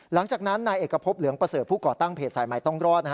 หลังจากนั้นนายเอกพบเหลืองประเสริฐผู้ก่อตั้งเพจสายใหม่ต้องรอด